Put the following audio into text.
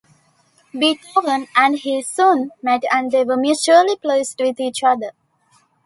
Beethoven and he soon met and they were mutually pleased with each other.